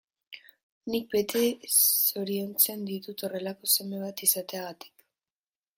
Nik beti zoriontzen ditut horrelako seme bat izateagatik.